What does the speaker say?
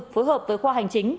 phối hợp với khoa hành chính